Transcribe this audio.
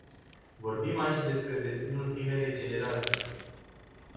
Vorbim aici despre destinul tinerei generații.